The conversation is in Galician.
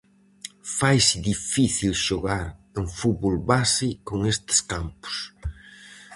Faise difícil xogar en fútbol base con estes campos.